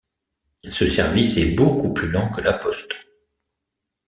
Ce service est beaucoup plus lent que la poste.